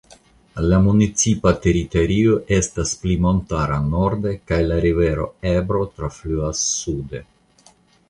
La municipa teritorio estas pli montara norde kaj la rivero Ebro trafluas sude.